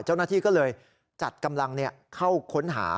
เจ้าหน้าที่ก็เลยจัดกำลังเข้าค้นหา